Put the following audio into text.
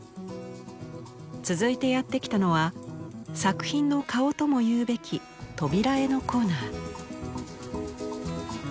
続いてやって来たのは作品の顔とも言うべき「扉絵」のコーナー。